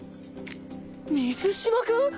水嶋君！？